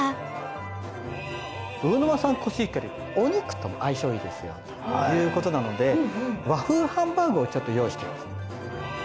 魚沼産コシヒカリお肉と相性いいですよということなので和風ハンバーグをちょっと用意してます。